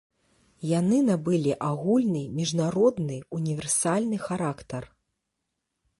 Яны набылі агульны, міжнародны, універсальны характар.